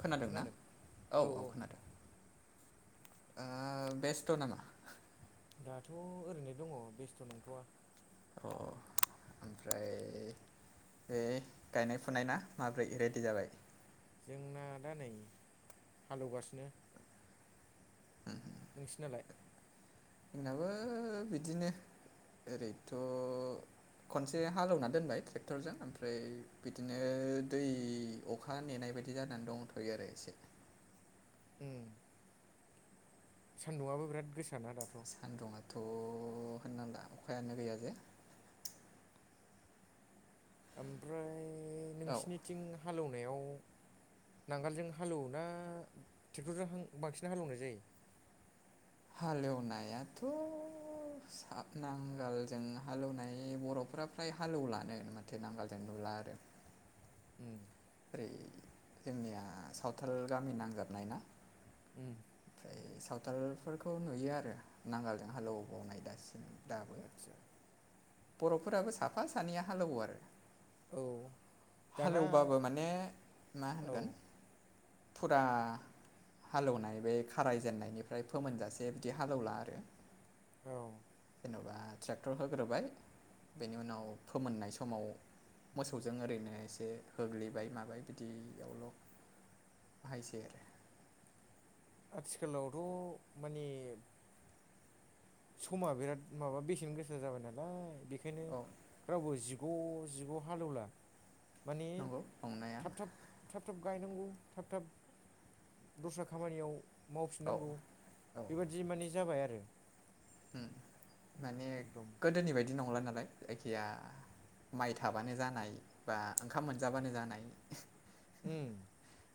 खोनादों ना औ औ खोनादों बेस्थ' नामा दाथ' ओरैनो दङ बेस्थ' नंथ'वा अ ओमफ्राय बे गायनाय फुनाय ना माब्रै रेडि जाबाय जोंना दा नै हालेवगासिनो नोंसिनालाय जोंनाबो बिदिनो ओरैनोथ' खनसे हालेवना दोनबाय ट्रेक्टरजों ओमफ्राय बिदिनो दै अखा नेनाय बेबायदि जानानै दंथ'यो आरो एसे उ सान्दुआबो बिराद गोसा सान्दुङाथ' होननांला अखायानो गैया जे ओमफ्राय औ नोंसिनिथिं हालेवनायाव नांगोलजों हालेवो ना ट्रेक्टरजों बांसिन हालौवनाय जायो हालेवनायाथ' नांगालजों हालेवनाय बर'फ्रा फ्राय हालेवलानो माथो नांगालजों बा आरो उ ओरै जोंनिया सावथाल गामि नांजाबनाय ना उ ओमफ्राय सावथालफोरखौ नुयो आरो नांगालजों हालेव बावनाय दासिम दाबो आतसा बर'फोराबो साफा सानैया हालेवो आरो औ दाना हालेवबाबो माने मा होनगोन औ फुरा हालेवनाय बे खारायजेननायनिफ्राय फोमोनजासे बिदि हालेवला आरो औ जेन'बा ट्रेक्टर होग्रोबाय बेनि उनाव फोमोननाय समाव मोसौजों ओरैनो एसे होग्लिबाय माबाय बिदियावल' खायसे आथिखालावथ' माने समा बिराद माबा बेसेन गोसा जाबाय नालाय बेखायनो औ रावबो जिब गजिग' हालेवला माने नंगौ नंनाया थाब थाब थाब थाब गायनांगौ थाब थाब दस्रा खामानियाव औ मावफिननांगौ औ बेबादि माने जाबाय आरो उम। माने एकदम गोदोनि बायदि नंला नालाय जायखिया माइ थाबानो जानाय बा ओंखाम मोनजाबानो जानाय उ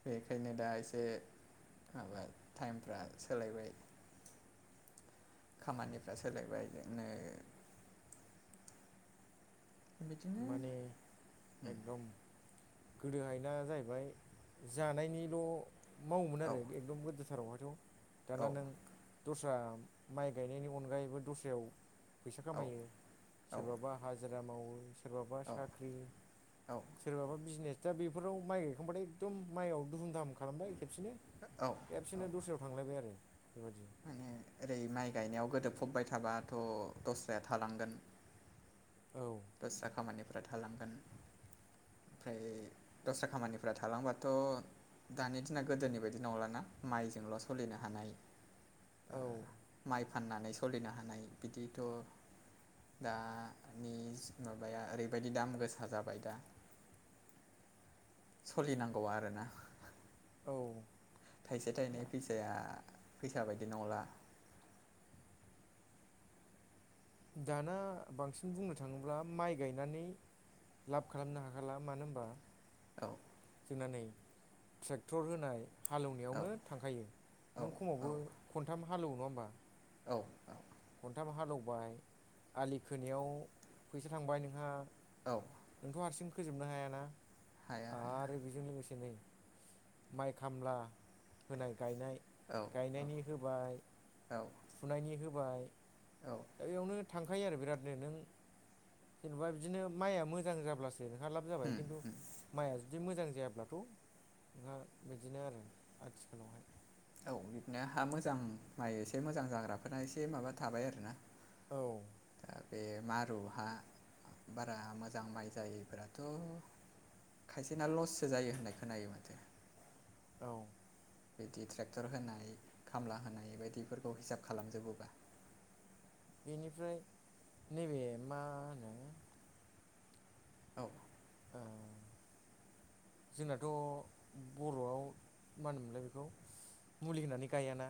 बेखायनो दा एसे माबा टाइमफ्रा सोलायबाय खामानिफ्रा सोलायबाय बिदिनो माने एकदम गोदोहायना जाहैबाय जानायनिल' मावोमोन औ आरो एकदम गोदोथारावहाय दाना नों दस्रा माइ गायनायनि अनगायैबो दस्रायाव फैसा औ खामायो सोरबाबा हाजिरा मावो सोरबाबा साख्रि औ सोरबाबा बिजनेस दा बेफोराव माइ गायखांबाथाय एकदम माइआव दुहुम दाहाम खालामबाय खेबसेनो औ औ खेबसेनो दस्रायाव थांलायबाय आरो बेबायदि माने ओरै माइ गायनायाव गोदोबफबबाय थाबाथ' दस्राया थालांगोन औ दस्रा खामानिफोरा थालांगोन ओमफ्राय दस्रा खामानिफोरा थालांबाथ' दानि दिना गोदोनि बायदि नंलाना माइजोंल' सोलिनो हानाय औ माइ फाननानै सोलिनो हानाय बिदिथ' दानि माबाया ओरैबायदि दाम गोसा जाबाय दा सोलिनांगौ आरोना औ थाइसे दा थाइनै फैसाया फैसा बायदि नंला दाना बांसिन बुंनो थाङोब्ला माइ गायनानै लाब खालामनो हाखाला मानो होनबा औ जोंना नै ट्रेक्टर होनाय औ हालेवनायावनो थांखायो औ नों खमावबो औ खनथाम हालेवो नङा होमबा औ औ खोनथाम हालेवबाय आलि खोनायाव फैसा थांबाय नोंहा औ नोंथ' हारसिं फोजोबनो हायाना हाया हाया आरो बेजों लोगोसे नै माइ खामला होनाय गायनाय औ औ गायनायनि होबाय औ फुनायनि होबाय दा बेयावनो थांखायो आरो बिरादनो नों जेनेबा बिदिनो माइआ मोजां जाब्लासो खारलाब जाबाय होम खिन्थु होम माइआ बिदि मोजां जायाब्लाथ' नोंहा बिदिनो आरो आथिखालावहाय औ बिदिनो हा मोजां माइ एसे मोजां जाग्राफोराना एसे माबा थाबाय आरोना औ दा बे मारुहा बारा मोजां माइ जायैफोराथ' खायसेना लससो जायो होननाय खोनायो माथो औ बिदि ट्रेक्टर होनाय खामला होनाय बायदिफोरखौ हिसाब खालामजोबोबा बेनिफ्राय नैबे मा होनो औ ओ जोंनाथ' बर'आव मा होनोमोनलाय बेखौ मुलि होनानै गायाना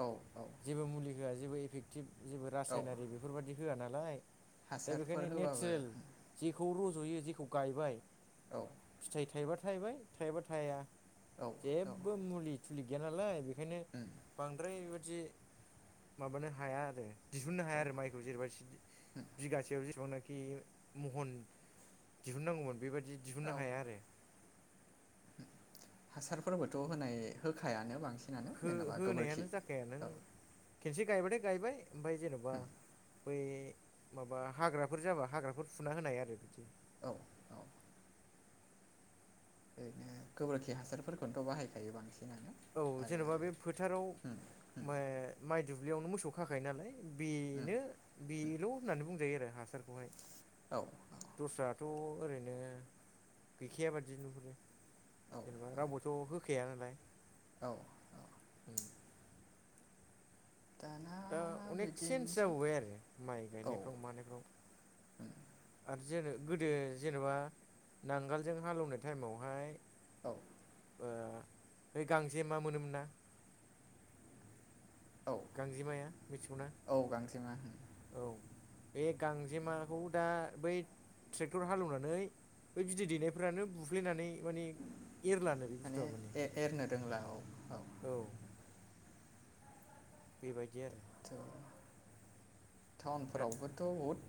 औ औ जेबो मुलि होआ जेबो इफेक्टिभ जेबो औ रासायनारि बेफोरबायदि होआ नालाय दा हासारफोर बेखायनो होबाबो नेचारेल जेखौ रज'यो जेखौ गायबाय औ फिथाइ थाइबा थायबाय थाइबा थाया औ औ जेबो मुलि थुलि गैया नालाय बे ओंखायनो उम बांद्राय बेबाददि माबानो हाया आरो दिहुननो हाया औ आरो माइखौ जेनेबा बिगासेयाव बिबांनाखि महन दिहुननांगौमोन बेबादि दिहुननो औ हाया आरो। हासारफोरबोथ' होनाय होखायानो बांसिन हो होनायानो जाखाया नों खेनसे गायबाथाय गायबाय ओमफाय जेन'बा उम बै माबा हाग्राफोर जाबा हाग्राफोर फुना होनाय आरो बिदि औ औ ओरैनो गोबोरखि हासारफोरखौनोथ' बाहायखायो बांसिन औ जेन'बा बे फोथाराव उम उम माइ दुब्लियावनो मोसौ खाखायो नालाय उम बेनो बेल' होननानै बुंजायो आरो हासारखौहाय औ दस्राथ' ओरैनो गैखाया बादि नुहुरो औ जेनेबा औ रावबोथ' होखाया नालाय औ औ उम दाना दा अनेक चन्ज बिदिनोसै जाबोबाय आरो माइ औ गायनायफ्राव मानायफ्राव आरो जेन गोदो जेनेबा नांगोलजों हालेवनाय टाइमावहाय औ ओ बे गांसे मा मोनोमोन ना औ गांजेमाया मिथिगौना औ गांजेमा औ बे गांजेमाखौ दा बै ट्रेक्टर हालेवनानै बै बिदै दैनायफोरानो बुफ्लेनानै माने एरलानो बे बुस्थुआ माने एरनो रोंला औ औ बेबायदि आरो थ बिराद टाउनफोरावबोथ' बहुद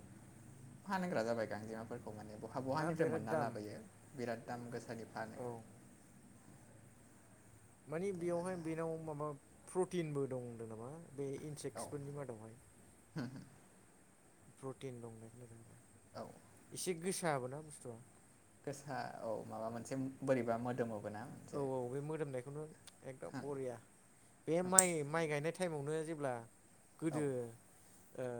बहाानग्रा जाबाय गांजेमाफोरखौ माने बहा आ बहानिफ्राय बिराद मोनना दाम लाबोयो बिराद दाम गोसा फानो औ मानि‌ बेयावहाय बेनाव माबा प्रटिनबो दं होनदों नामा बे औ इनसेक्सफोरनि मादावहाय प्रटिन दंनायखौ आरो औ एसे गोसाबो ना बुस्थुआ गोसा औ माबा मोनसे बोरैबा मोदोमाव औ औ बे मोदोमनायखौनो एकदम बरिया बे माइ माइ गायनाय टाइमावनो जेब्ला औ गोदो ओ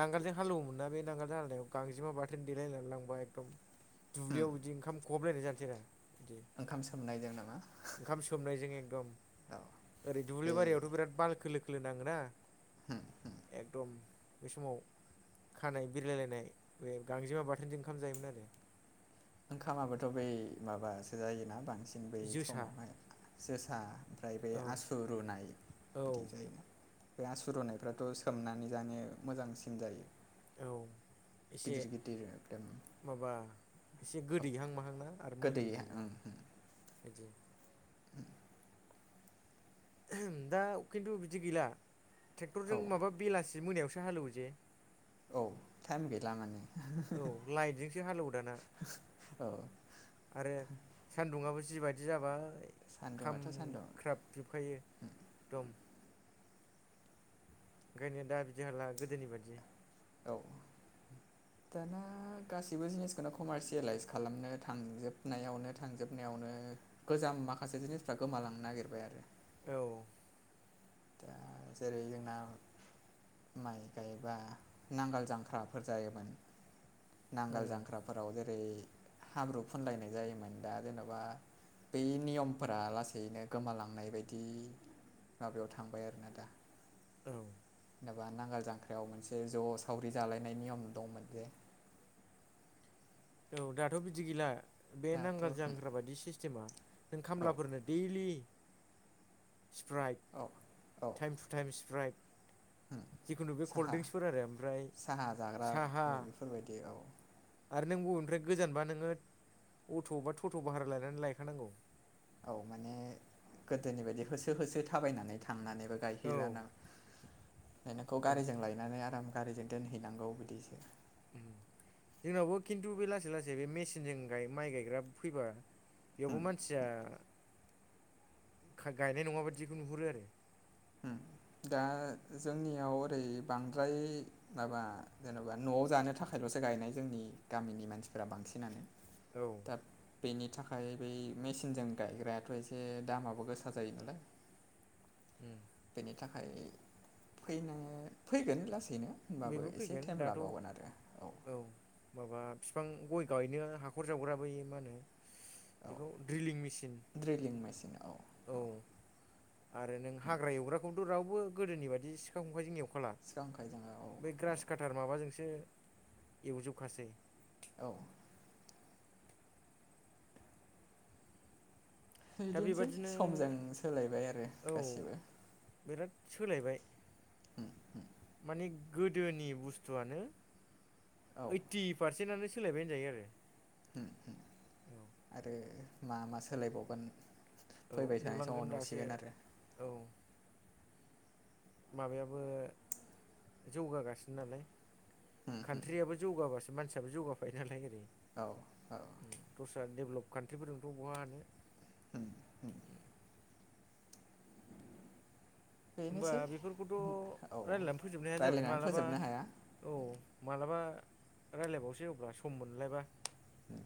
नांगारजों हालेवोमोन ना बे नांगालजों हालेनायाव गांजेमा बाथोन देलायनानै लांबा एकदम दुब्लियाव बिदि ओंखाम खहबलायनाय जानोसै आरो बिदि ओंखाम सोमनायजों नामा ओंखाम सोमनायजों एकदम औ ओरै दुब्लि ओइ बारियावथ' बिराद बालखो खख्ल नाङा एकदम बे समाव खानाय बिरलायलायनाय बे गांजेमा बाथोनजों ओंखाम जायोमोन आरो ओंखामाबोथ' बै माबासो जायोना बांसिन बांसिन बै जोसा समावहाय जोसा ओमफ्राय बे औ आसु रुनाय बिदि औ जायोना बे आसु रुनायफ्राथ' सोमनानै जानो मोजांसिन जायो औ एसे गिदिर गिदिर एकदम माबा एसे औ गोदैहां माहांना आरो गोदै मोदोमनायबो ओं बिदि दा खिन्थु बिदि गैला औ ट्रेक्टरजों माबा बेलासि जि मोनायावसो हालेवजे औ टाइम गैला माने औ लाइटजोंसो हालेवोदाना औ आरो सान्दुंङाबो जिबायदि जाबाय सान्दुंआथ' सान्दुं खामख्राब जोबखायो एकदम ओंखायनो दा बिदि हाला गोदोनि बायदि औ दाना गाैबो जिनिसखौनो कमारसियलाइस खालामनो थांजोबनायावनो थांजोबनायावनो गोजाम माखासे जिनिसफ्रा गोमालांनो नागिरबाय आरो औ जेरै जोंना माइ गायब्ला नांगोल जांख्राफोर जायोमोन नांगाल उम जांख्राफोराव जेरै हाब्रु फुनलायनाय जायोमोन दा जेन'बा बै नियमफोरा लासैनो गोमालांनाय बायदि माबायाव थ थांबाय आरोना दा औ जेन'बा नांगोल जांख्रायाव मोनसे ज' सावरि जालायनाय नियम दंमोन जे औ दाथ' बिदि गैला बे दाथ' नांगार जांग्रा बायदि सिस्टेमा नों औ खामलाफोरनो दैलि स्प्राइक औ औ टाइम टु टाइम स्प्राइक जिखुनु बे साहा कल्डड्रिंक्सफोर आरो ओमफ्राय साहा जाग्रा साहा बेफोरबायदि औ आरो नों बबेनिफ्राय गोजानबा नोङो अट' बा टट' भारा लायनानै लायखानांगौ औ माने गोदोनि बायदि होसो होसो थाबायनानै थांनानै औ गायहैलाना नोंखौ ओम गारिजों लायनानै आराम गारिजों दोनहैनांगौ बिदिसो जोंनावबो खिन्थु बे लासै लासै बे मेसिनजों माइ गायग्रा फैबा बेयावबो होम मानसिया गायनाय नङा बायदिखौ नुहुरो आरो उ दा जोंनियाव ओरै बांद्राय माबा जेनेबा न'आव जानो थाखायल' सो गायनाय जोंनि गामिनि मानसिफोरा बांसिनानो औ दा बेनि थाखाय बै मेसिनजों गायग्रायाथ' एसे दामाबो गोसा जायो नालाय उम बेनि थाखाय फैनो फैगोन लासै दिनो होनबाबो बेबो एसे फैगोन टाइम दाथ' औ लाबावगोन आरो औ माबा बिफां गय गायनो हाखर जावग्राबो मा होनो औ बेखौ ड्रिलिं मेचिन औ आरो नों हाग्रा एवग्राखौ रावबो गोदोनि बायदि सिखा खंखाइजों एव सिखा खंखाय जोङो औ बै औ ग्रास काटार माबाजोंसो एवजोबखासै औ दा बिदिनोसै बेबादिनो समजों सोलायबाय आरो औ गासिबो बिराद सोलायबाय गोदोनि बसतुवानो औ ओइति पारसेनानो सोलायबाय होनजायो आरो आरो मा मा सोलायबावगोन औ फैबाय थानाय समाव नुलांगोन दासो नुसिगोन आरो औ माबायाबो जौगागासिनो नालाय कान्ट्रियाबो जौगाबासो मानसियाबो जौगाफायो नालाय ओरै औ औ आसा डेभेलप कान्ट्रिफोरजोंथ' बहा हानो होमबा बेनोसै बेफोरखौथ' औ रायलायनानै फोजोबनो हाया जाबाय रायलायनानै मालाबा फोजोबनो हाया औ मालाबा रायलायबावसै अब्ला सम मोनलायबा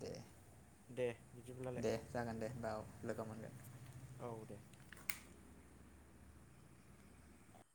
दे दे बिदिब्लालाय दे जागोन दे हमबा औ लोगो मोनगोन औ दे